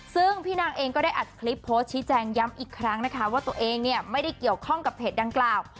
ซึ่งพี่นางเองก็ได้อัดคลิปโพสต์ชี้แจงย้ำอีกครั้งนะคะว่าตัวเองเนี่ยไม่ได้เกี่ยวข้องกับเพจดังกล่าว